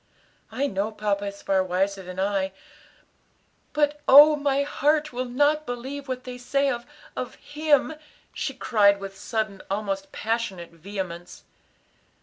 "I know papa is far wiser than I, but, oh, my heart will not believe what they say of of him!" she cried with sudden, almost passionate vehemence.